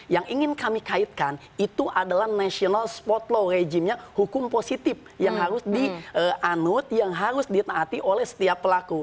yang ingin kami kaitkan itu adalah national spot law rejimnya hukum positif yang harus dianut yang harus ditaati oleh setiap pelaku